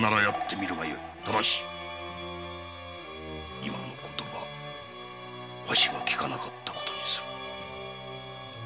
ただし今の言葉わしは聞かなかったことにするよいな。